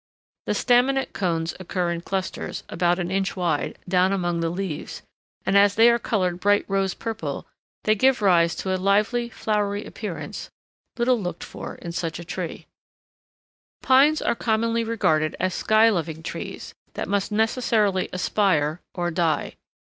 The staminate cones occur in clusters, about an inch wide, down among the leaves, and, as they are colored bright rose purple, they give rise to a lively, flowery appearance little looked for in such a tree. [Illustration: GROUP OF ERECT DWARF PINES.] Pines are commonly regarded as sky loving trees that must necessarily aspire or die.